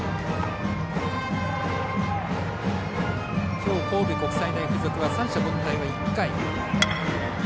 きょう、神戸国際大付属は三者凡退は１回。